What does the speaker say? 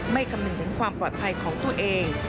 คำนึงถึงความปลอดภัยของตัวเอง